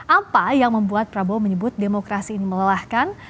apa yang membuat prabowo menyebut demokrasi ini melelahkan